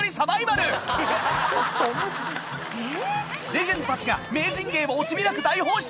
レジェンドたちが名人芸を惜しみなく大放出！